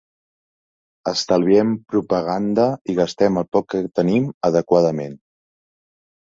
Estalviem propaganda i gastem el poc que tenim adequadament.